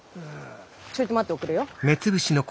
ちょいと待っておくれよ。